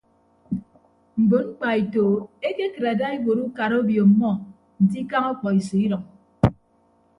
Mbon mkpaeto ekekịt ada iwuot ukara obio ọmmọ nte ikañ ọkpọiso idʌñ.